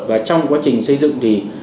và trong quá trình xây dựng thì